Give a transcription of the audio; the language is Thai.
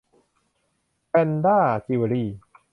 แพรนด้า จิวเวลรี่